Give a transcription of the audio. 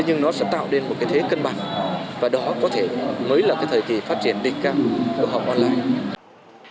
nhưng nó sẽ tạo nên một thế cân bằng và đó mới là thời kỳ phát triển tình cảm của học online